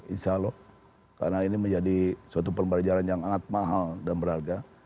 insya allah karena ini menjadi suatu pembelajaran yang sangat mahal dan berharga